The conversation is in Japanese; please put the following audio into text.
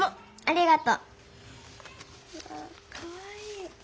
ありがとう。わっかわいい。